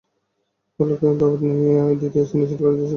পলকে দাওয়াত দিতে নিষেধ করে দিয়েছি ওদেরকে।